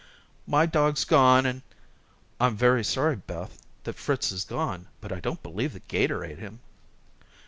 "My dog's gone and " "I'm very sorry, Beth, that Fritz is gone; but I don't believe the 'gator ate him."